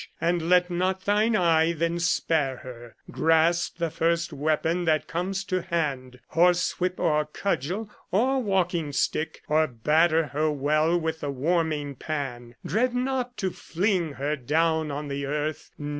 And let not thine eye then spare her : Grasp the first weapon that comes to hand — Horsewhip, or cudgel, or walking stick, Or batter her well with the warming pan ; Dread not to fling her down on the earth.